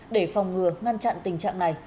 để phòng ngừa ngăn chặn tình trạng này